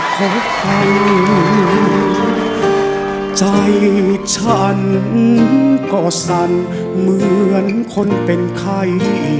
ก็สั่นเหมือนคนเป็นใคร